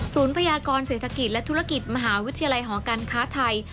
พยากรเศรษฐกิจและธุรกิจมหาวิทยาลัยหอการค้าไทย